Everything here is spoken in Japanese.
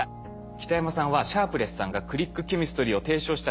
北山さんはシャープレスさんがクリックケミストリーを提唱した